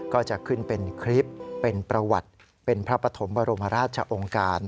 ก็จะขึ้นเป็นคลิปเป็นประวัติเป็นพระปฐมบรมราชองค์การ